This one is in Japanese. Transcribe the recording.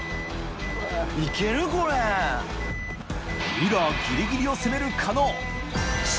礇潺蕁ギリギリを攻める狩野磴